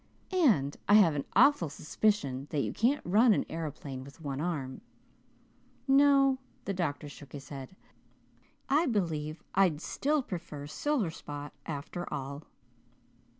And I have an awful suspicion that you can't run an aeroplane with one arm. No" the doctor shook his head "I believe I'd still prefer Silverspot after all."